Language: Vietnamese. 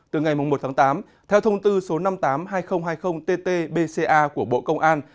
từ ngày một tháng tám theo thông tư số năm trăm tám mươi hai nghìn hai mươi ttbca của bộ công an